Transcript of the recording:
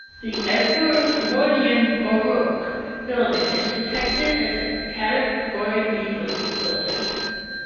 The Edwardian Baroque building is protected as a category B listed building.